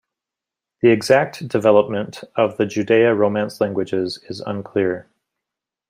The exact development of the Judeo-Romance languages is unclear.